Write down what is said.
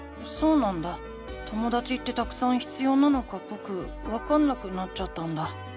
ともだちってたくさん必要なのかぼくわかんなくなっちゃったんだ。